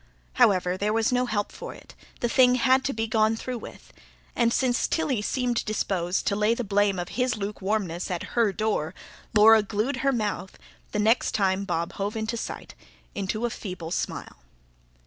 However there was no help for it; the thing had to be gone through with; and, since Tilly seemed disposed to lay the blame of his lukewarmness at her door, Laura glued her mouth, the next time Bob hove in sight, into a feeble smile.